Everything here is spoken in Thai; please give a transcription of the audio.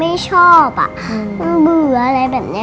ไม่ชอบหนูเบียวอะไรแบบนี้